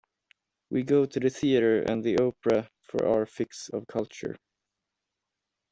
We go to the theatre and the opera for our fix of culture